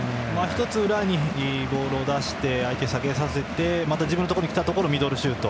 １つ裏にボールを出し相手を下げさせてまた自分のところにきたところをミドルシュート。